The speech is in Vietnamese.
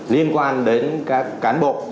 liên quan đến các cán bộ